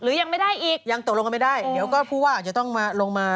หรือยังไม่ได้อีกยังตกลงแล้วไม่ได้เดี๋ยวก็พูดว่าจะต้องมาลงมา